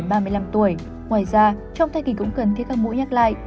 ngoài ra trong thai kỳ cũng cần thiết các mũi nhắc lại